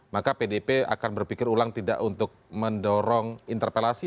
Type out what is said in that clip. maka pdp akan berpikir ulang tidak untuk mendorong interpelasi